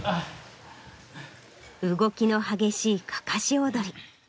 動きの激しいかかし踊り。